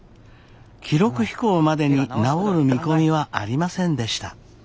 記録飛行までに治る見込みはありませんでした。